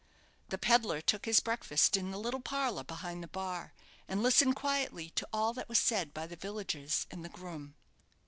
The pedlar took his breakfast in the little parlour behind the bar, and listened quietly to all that was said by the villagers and the groom.